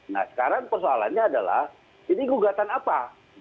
nah sekarang persoalannya adalah ini gugatan apa